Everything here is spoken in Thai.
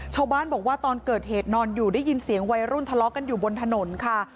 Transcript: ชาวบ้านบอกว่าตอนเกิดเหตุนอนอยู่ได้ยินเสียงวัยรุ่นทะเลาะกันอยู่บนถนนค่ะ